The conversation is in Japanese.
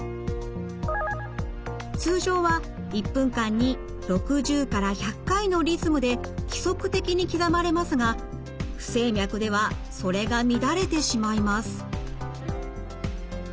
通常は１分間に６０から１００回のリズムで規則的に刻まれますが不整脈ではそれが乱れてしまいます。